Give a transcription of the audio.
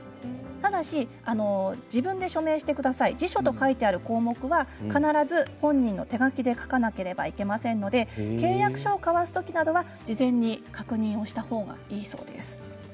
ただし自分で署名をしてください自署と書いてある項目は必ず本人の手書きで書かなければいけませんので契約書を交わすときなどは事前に確認をしたほうがいいそうです。